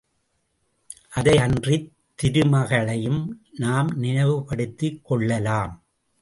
அதை அன்றித் திருமகளையும் நாம் நினைவுபடுத்திக் கொள்ளலாம்.